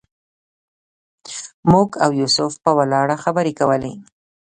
موږ او یوسف په ولاړه خبرې کولې.